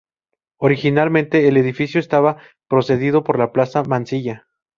Originalmente el edificio estaba precedido por la Plaza Mansilla.